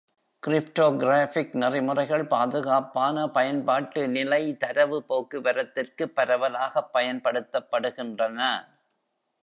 Cryptographic நெறிமுறைகள் பாதுகாப்பான பயன்பாட்டு-நிலை தரவு போக்குவரத்திற்கு பரவலாகப் பயன்படுத்தப்படுகின்றன.